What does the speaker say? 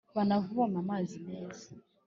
banavome amazi meza.